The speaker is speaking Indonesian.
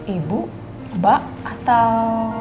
ibu mbak atau